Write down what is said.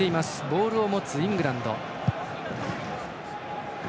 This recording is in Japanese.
ボールを持つイングランド。